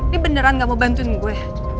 lo beneran nggak mau bantuin gue